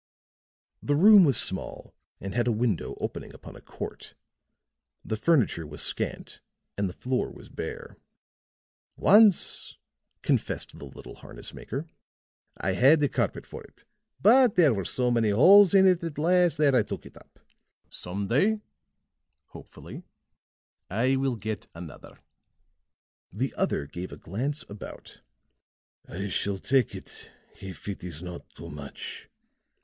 The room was small and had a window opening upon a court; the furniture was scant and the floor was bare. "Once," confessed the little harness maker, "I had a carpet for it; but there were so many holes in it at last, that I took it up. Some day," hopefully, "I shall get another." The other gave a glance about. "I shall take it if it is not too much."